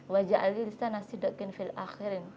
waja'ali lisanasidakin fil akhirin